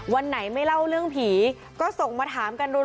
วันไหนไม่เล่าเรื่องผีก็ส่งมาถามกันรุน